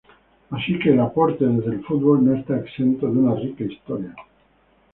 Así, que el aporte desde el fútbol no está exento de una rica historia.